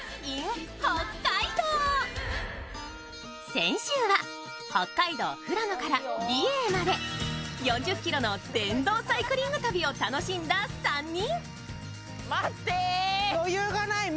先週は北海道富良野から美瑛まで、４０ｋｍの電動サイクリング旅を楽しんだ３人。